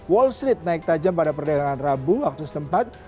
wall street naik tajam pada perdagangan rabu waktu setempat